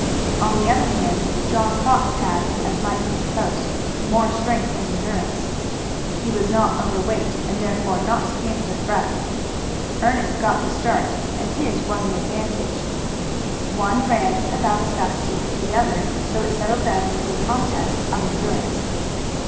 On the other hand, John Fox had, as might be supposed, more strength and endurance. He was not over weight and therefore not scant of breath. Ernest got the start and this was an advantage. One ran about as fast as the other, so it settled down into a contest of endurance.